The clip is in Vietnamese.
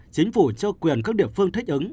chính phủ cho quyền các địa phương thích ứng